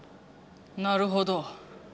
なるほど。